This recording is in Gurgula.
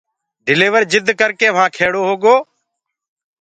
ڊليور جِد ڪرڪي وهآنٚ کڙو هوگو